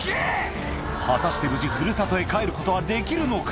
果たして無事古里へ帰ることはできるのか？